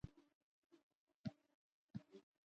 ټاګور د خپل وخت د پرمختللی ژوندانه برخمن وو.